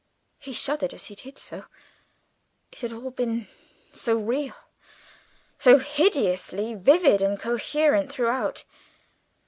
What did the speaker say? He shuddered as he did so; it had all been so real, so hideously vivid and coherent throughout.